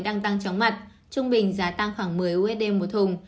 đang tăng chóng mặt trung bình giá tăng khoảng một mươi usd một thùng